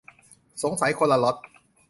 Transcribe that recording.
สงสัยคนละล็อต